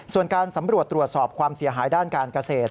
ส่วนการสำรวจตรวจสอบความเสียหายด้านการเกษตร